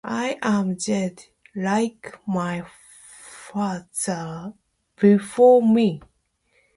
I am Jedi, like my Father before me.